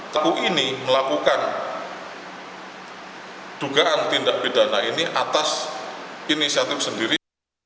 tu ini melakukan dugaan tindak pidana ini atas inisiatif sendiri